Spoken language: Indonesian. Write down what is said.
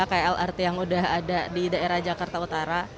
kayak lrt yang udah ada di daerah jakarta utara